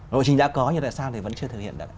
lộ trình đã có như tại sao thì vẫn chưa thực hiện được